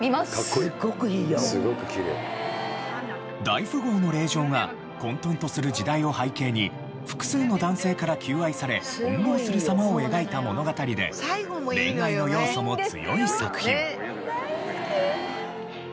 大富豪の令嬢が混沌とする時代を背景に複数の男性から求愛され翻弄する様を描いた物語で恋愛の要素も強い作品。